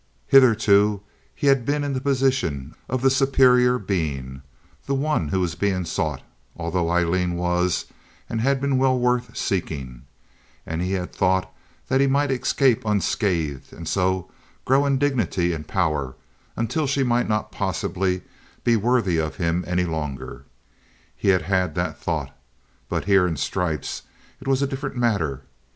Hitherto he had been in the position of the superior being, the one who was being sought—although Aileen was and had been well worth seeking—and he had thought that he might escape unscathed, and so grow in dignity and power until she might not possibly be worthy of him any longer. He had had that thought. But here, in stripes, it was a different matter.